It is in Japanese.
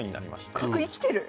あっ角生きてる！